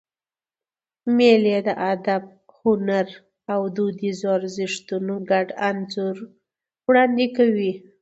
مېلې د ادب، هنر او دودیزو ارزښتونو ګډ انځور وړاندي کوي.